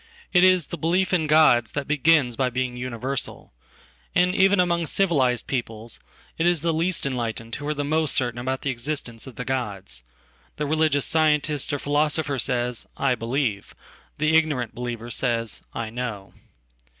It is the belief ingods that begins by being universal. And even among civilizedpeoples it is the least enlightened who are most certain about theexistence of the gods. The religions scientist or philosopher says:"I believe "; the ignorant believer says: " I know."